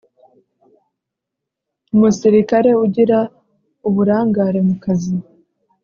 Umusirikare ugira uburangare mu kazi